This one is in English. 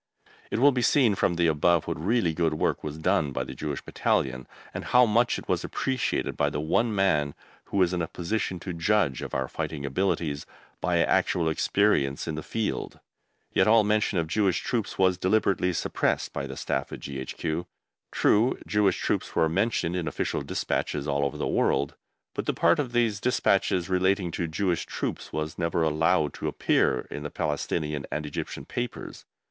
It will be seen from the above what really good work was done by the Jewish Battalion, and how much it was appreciated by the one man who was in a position to judge of our fighting abilities by actual experience in the field. Yet all mention of Jewish Troops was deliberately suppressed by the Staff at G.H.Q. True, Jewish Troops were mentioned in official despatches all over the world, but the part of these despatches relating to Jewish Troops was never allowed to appear in the Palestinian and Egyptian papers.